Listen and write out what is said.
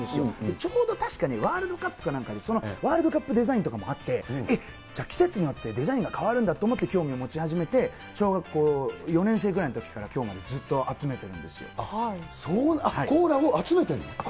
ちょうど確か、ワールドカップかなんかで、そのワールドカップデザインとかもあって、えっ、じゃあ季節によってデザインが変わるんだと思って、興味を持ち始めて、小学校４年生ぐらいのころからきょうまでずっと集めてるんコーラを集めてるの？